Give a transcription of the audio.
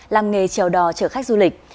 làm nghề trèo đò chở khách du lịch